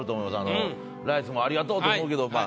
ライスもありがとうと思うけどまあ。